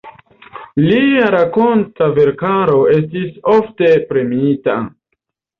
Lia rakonta verkaro estis ofte premiita.